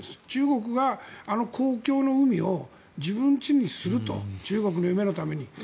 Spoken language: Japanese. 中国があの公共の海を自分ちにすると中国の夢のために。